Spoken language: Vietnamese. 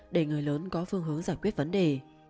để người lớn có phương hướng giải quyết vấn đề